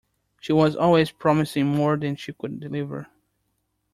She was always promising more than she could deliver.